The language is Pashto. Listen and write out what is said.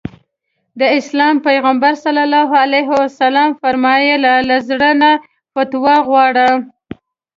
د اسلام پيغمبر ص وفرمايل له زړه نه فتوا وغواړه.